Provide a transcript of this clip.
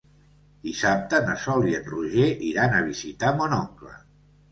Dissabte na Sol i en Roger iran a visitar mon oncle.